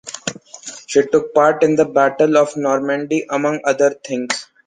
She took part in the Battle of Normandy, among other things.